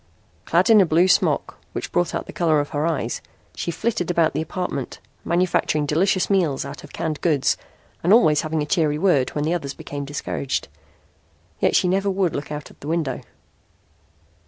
Clad in a blue smock which brought out the color of her eyes, she flitted about the apartment, manufacturing delicious meals out of canned goods and always having a cheery word when the others became discouraged. Yet she never would look out the window.